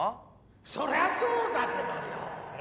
そりゃそうだけどよええ？